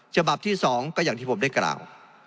ฉบับที่๒ก็อย่างที่ผมได้กล่าว